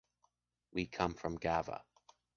We come from Gavà.